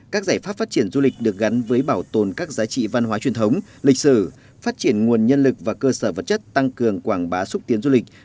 các giải pháp phát triển du lịch được gắn với bảo tồn các giá trị văn hóa truyền thống lịch sử phát triển nguồn nhân lực và cơ sở vật chất tăng cường quảng bá xúc tiến du lịch